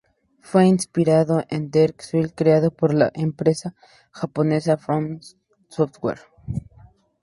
Fue inspirado en Dark Souls creado por la empresa japonesa From Software.